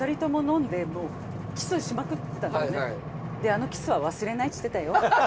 あのキスは忘れないって言ってたよ。